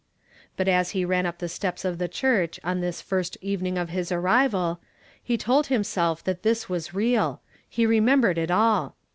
But as he run up the steps of the church on this first evening of his arrival, he told himself that this was real; he remembered it all.